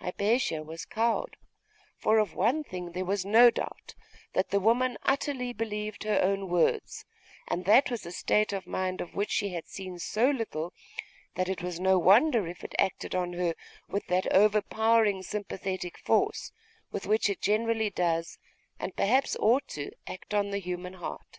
Hypatia was cowed; for of one thing there was no doubt, that the woman utterly believed her own words; and that was a state of mind of which she had seen so little, that it was no wonder if it acted on her with that overpowering sympathetic force, with which it generally does, and perhaps ought to, act on the human heart.